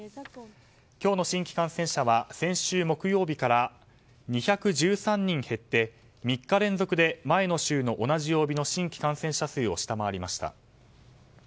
今日の新規感染者は先週木曜日から２１３人減って３日連続で前の週の同じ曜日の新感染者数を下回りました。